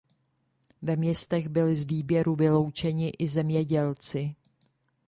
Ve městech byli z výběru vyloučeni i zemědělci.